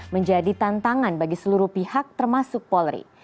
menjadi tantangan bagi seluruh pihak termasuk polri